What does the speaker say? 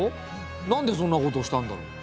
なんでそんなことしたんだろう？